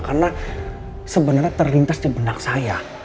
karena sebenarnya terlintas di benak saya